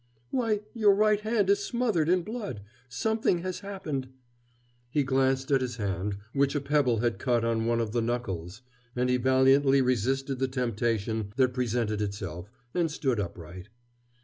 "Why, your right hand is smothered in blood something has happened " He glanced at his hand, which a pebble had cut on one of the knuckles; and he valiantly resisted the temptation that presented itself, and stood upright.